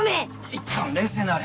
いったん冷静になれ。